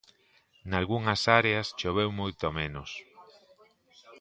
Nalgunhas áreas choveu moito menos.